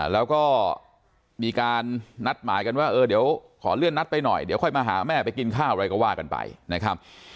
แล้วก็มีการนัดหมายกันว่าเออเดี๋ยวขอเลื่อนนัดไปหน่อยเดี๋ยวค่อยมาหาแม่ไปกินข้าวอะไรก็ว่ากันไปนะครับ